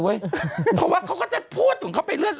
เพราะว่าเขาก็จะพูดเหมือนเขาเป็นเรื่อง